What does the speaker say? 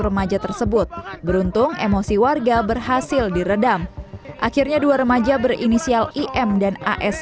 remaja tersebut beruntung emosi warga berhasil diredam akhirnya dua remaja berinisial im dan as